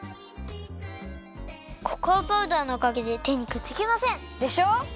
ココアパウダーのおかげでてにくっつきません！でしょ！